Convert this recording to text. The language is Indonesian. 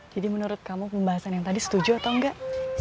jadi menurut kamu pembahasan yang tadi setuju atau enggak